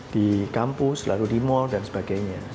di kampus lalu di mal dan sebagainya